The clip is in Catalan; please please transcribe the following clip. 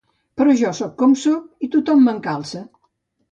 Però jo sóc com sóc i tothom m'encalça.